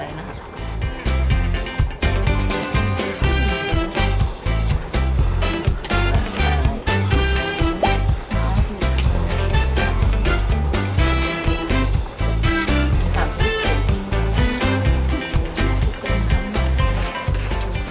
ตามพริกแกน